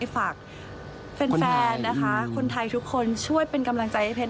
ฝากแฟนนะคะคนไทยทุกคนช่วยเป็นกำลังใจให้เพชร